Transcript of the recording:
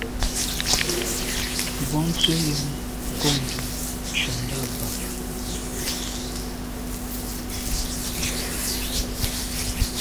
Bontse yàm kùmte ntshundà bag.